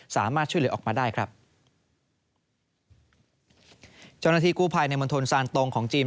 สามารถช่วยเหลือออกมาได้ครับเจ้าหน้าที่กู้ภัยในมณฑลซานตรงของจีน